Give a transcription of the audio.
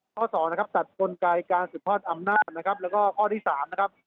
ข้อสองนะครับตัดคนกายการสุภาษณ์อำนาจนะครับแล้วก็ข้อที่สามนะครับ